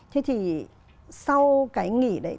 thế thì sau cái nghỉ đấy